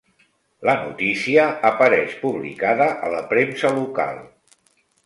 La notícia apareix publicada a la premsa local.